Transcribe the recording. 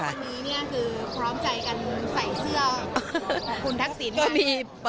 ว่าวันนี้คือพร้อมใจกันใส่เสื้อของคุณทักษิณค่ะ